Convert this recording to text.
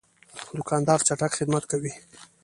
دوکاندار چټک خدمت کوي.